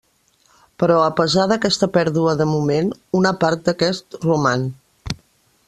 Però a pesar d'aquesta pèrdua de moment, una part d'aquest roman.